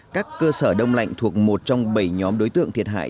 các cơ sở đông lạnh thuộc một trong bảy nhóm đối tượng thiệt hại